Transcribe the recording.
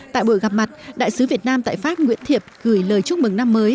tại buổi gặp mặt đại sứ việt nam tại pháp nguyễn thiệp gửi lời chúc mừng năm mới